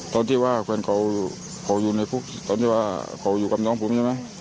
ตอนที่ว่าแฟนเขาอยู่ในคุกตอนที่ว่าเขาอยู่กับน้องผมใช่ไหม